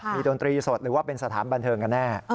ดนตรีสดหรือว่าเป็นสถานบันเทิงกันแน่